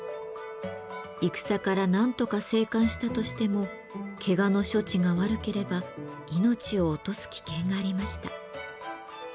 戦から何とか生還したとしてもけがの処置が悪ければ命を落とす危険がありました。